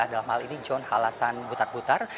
dalam hal ini john halasan butar butar